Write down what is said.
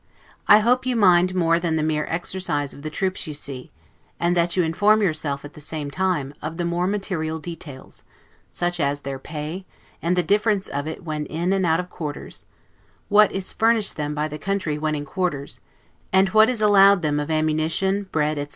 I hope you mind more than the mere exercise of the troops you see; and that you inform yourself at the same time, of the more material details; such as their pay, and the difference of it when in and out of quarters; what is furnished them by the country when in quarters, and what is allowed them of ammunition, bread, etc.